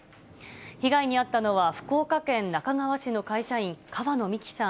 被害に遭ったのは、福岡県那珂川市の会社員、川野美樹さん